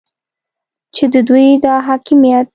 چې د دوی دا حاکمیت